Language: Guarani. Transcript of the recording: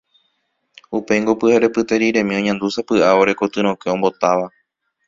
Upéingo pyharepyte riremi añandúsapy'a ore koty rokẽ ombotáva.